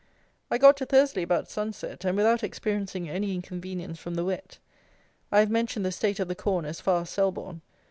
I got to Thursley about sunset, and without experiencing any inconvenience from the wet. I have mentioned the state of the corn as far as Selborne.